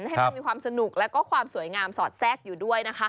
ให้มันมีความสนุกและความสวยงามสอดแซ่กอยู่ด้วย